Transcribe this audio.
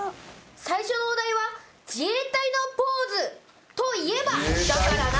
最初のお題は自衛隊のポーズといえば？